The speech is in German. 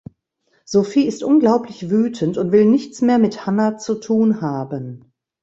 Sophie ist unglaublich wütend und will nichts mehr mit Hannah zu tun haben.